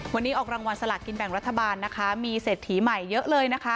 วันนี้ออกรางวัลสลากกินแบ่งรัฐบาลนะคะมีเศรษฐีใหม่เยอะเลยนะคะ